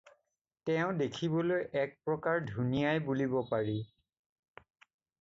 তেওঁ দেখিবলৈ এক প্ৰকাৰ ধুনীয়াই বুলিব পাৰি।